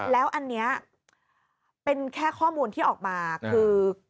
แล้วอันนี้เป็นแค่ข้อมูลที่ออกมาคือ